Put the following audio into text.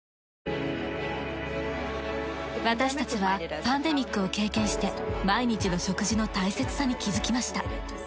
私たちはパンデミックを経験して毎日の食事の大切さに気づきました。